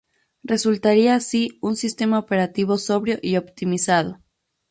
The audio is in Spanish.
Resultaría así un sistema operativo sobrio y optimizado.